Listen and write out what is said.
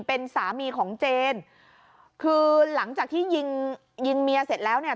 เป็นสามีของเจนคือหลังจากที่ยิงยิงเมียเสร็จแล้วเนี่ย